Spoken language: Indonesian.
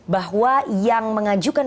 bahwa yang mengajukan